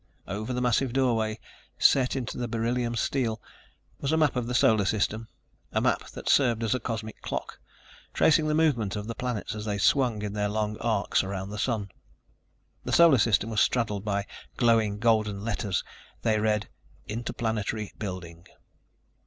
Over the massive doorway, set into the beryllium steel, was a map of the Solar System, a map that served as a cosmic clock, tracing the movement of the planets as they swung in their long arcs around the Sun. The Solar System was straddled by glowing, golden letters. They read: INTERPLANETARY BUILDING.